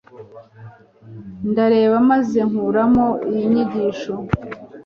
ndareba maze nkuramo iyi nyigisho